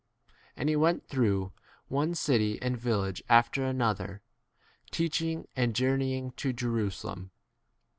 22 And he went through one city and village after another, teach ing, and journeying to Jerusalem.